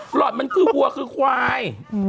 หลอดมันคือวัวคือควาย